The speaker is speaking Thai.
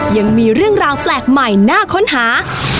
ยังมีเรื่องราวแปลกใหม่น่าค้นหา